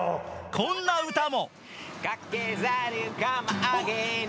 こんな歌も。